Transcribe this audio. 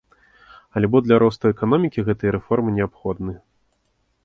Альбо для росту эканомікі гэтыя рэформы неабходны.